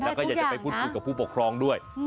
แล้วก็อยากจะไปพูดคุยกับผู้ปกครองด้วย